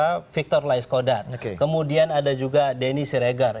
ada victor laiskodat kemudian ada juga denny siregar